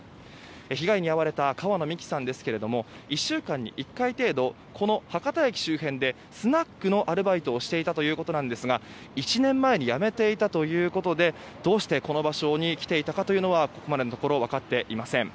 被害に遭われた川野美樹さんですが１週間に１回程度、博多駅周辺でスナックのアルバイトをしていたということなんですが１年前に辞めていたということでどうしてこの場所に来ていたかというのはここまでのところ分かっていません。